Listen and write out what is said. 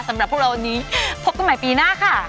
สำหรับพวกเราวันนี้พบกันใหม่ปีหน้าค่ะ